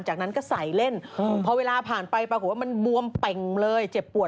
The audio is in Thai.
จากนั้นก็ใส่เล่นพอเวลาผ่านไปปรากฏว่ามันบวมเป่งเลยเจ็บปวด